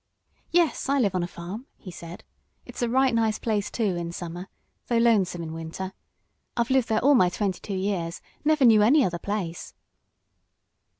"Yes, I live on a farm," he said. "It's a right nice place, too, in summer, though lonesome in winter. I've lived there all my twenty two years never knew any other place."